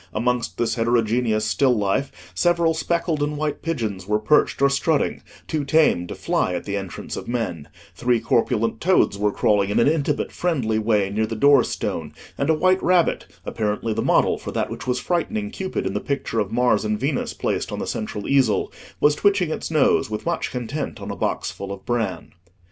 Amongst this heterogeneous still life, several speckled and white pigeons were perched or strutting, too tame to fly at the entrance of men; three corpulent toads were crawling in an intimate friendly way near the door stone; and a white rabbit, apparently the model for that which was frightening Cupid in the picture of Mars and Venus placed on the central easel, was twitching its nose with much content on a box full of bran.